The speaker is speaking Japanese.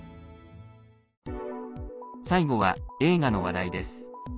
最後は映画の話題です。